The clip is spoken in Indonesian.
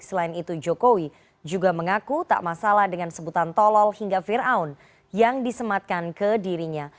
selain itu jokowi juga mengaku tak masalah dengan sebutan tolol hingga ⁇ firaun ⁇ yang disematkan ke dirinya